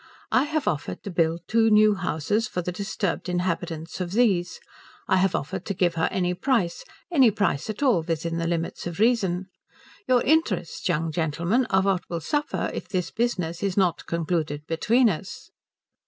I have offered to build two new houses for the disturbed inhabitants of these. I have offered to give her any price any price at all, within the limits of reason. Your interests, young gentleman, are what will suffer if this business is not concluded between us."